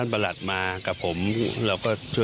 อีกสักครู่เดี๋ยวจะ